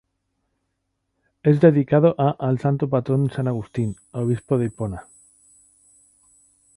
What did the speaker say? Es dedicado a al Santo Patrón San Agustín, Obispo de Hipona.